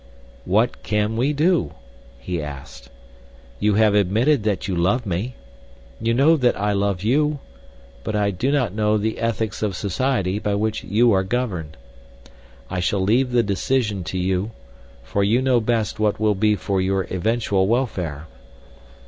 "What can we do?" he asked. "You have admitted that you love me. You know that I love you; but I do not know the ethics of society by which you are governed. I shall leave the decision to you, for you know best what will be for your eventual welfare."